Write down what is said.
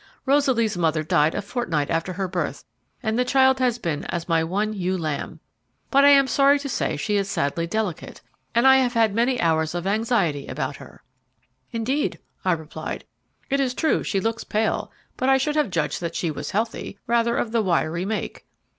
Rosaly's mother died a fortnight after her birth, and the child has been as my one ewe lamb. But I am sorry to say she is sadly delicate, and I have had many hours of anxiety about her." "Indeed," I replied; "it is true she looks pale, but I should have judged that she was healthy rather of the wiry make."